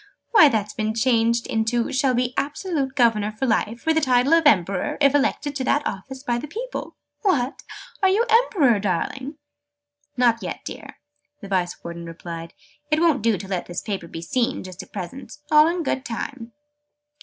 Why, that's been changed into 'shall be absolute governor for life, with the title of Emperor, if elected to that office by the people.' What! Are you Emperor, darling?" "Not yet, dear," the Vice Warden replied. "It won't do to let this paper be seen, just at present. All in good time."